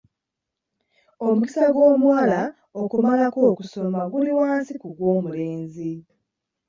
Omukisa gw'omuwala okumalako okusoma guli wansi ku gw'omulenzi.